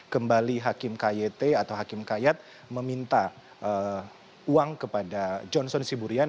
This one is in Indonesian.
kembali hakim kyt atau hakim kayat meminta uang kepada johnson siburian